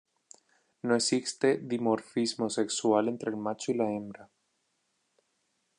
No existe dimorfismo sexual entre el macho y la hembra.